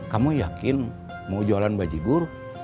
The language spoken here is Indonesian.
kamu yakin mau jualan baji guru